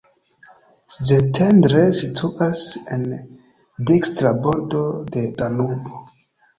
Szentendre situas en dekstra bordo de Danubo.